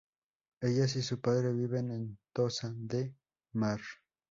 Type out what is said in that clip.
Ellas y su padre viven en Tossa de Mar.